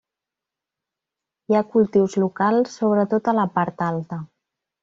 Hi ha cultius locals sobretot a la part alta.